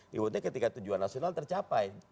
ributnya ketika tujuan nasional tercapai